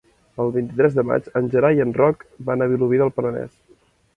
El vint-i-tres de maig en Gerai i en Roc van a Vilobí del Penedès.